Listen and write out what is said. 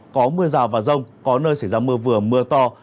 có mưa rào và rông có nơi xảy ra mưa vừa mưa to